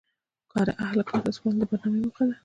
کار اهل کار ته سپارل د برنامې موخه دي.